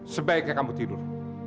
sebaiknya kamu tidur